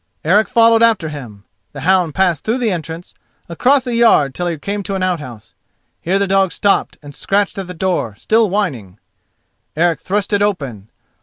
Eric followed after him. The hound passed through the entrance, and across the yard till he came to an outhouse. Here the dog stopped and scratched at the door, still whining. Eric thrust it open.